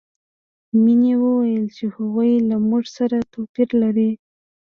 مینې وویل چې هغوی له موږ سره توپیر لري